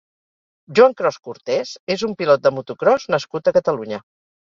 Joan Cros Cortés és un pilot de motocròs nascut a Catalunya.